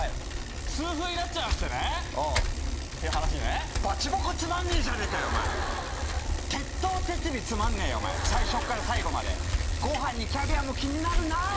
通風になっちゃいましてねっていう話ねバチボコつまんねえじゃねえかよお前徹頭徹尾つまんねえよお前最初っから最後までご飯にキャビアも気になるなあ